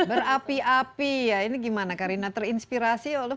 berapi api ya ini gimana karina terinspirasi oleh